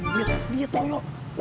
lihat dia toyo